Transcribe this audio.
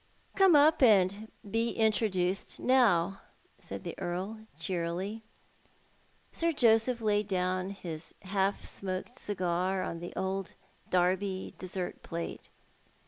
" Come up and be introduced now," said the Earl, cheerily* Sir Joseph Jaid down his half smoked cigar in the old Derby dessert plate.